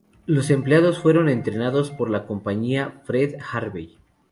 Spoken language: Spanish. Los empleados fueron entrenados por la compañía Fred Harvey.